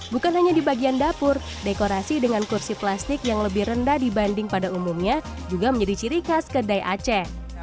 bukan hanya di bagian dapur dekorasi dengan kursi plastik yang lebih rendah dibanding pada umumnya juga menjadi ciri khas kedai aceh